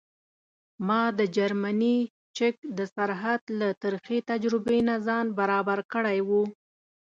ما د جرمني چک د سرحد له ترخې تجربې نه ځان برابر کړی و.